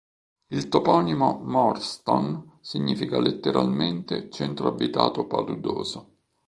Il toponimo "Morston" significa letteralmente "centro abitato paludoso".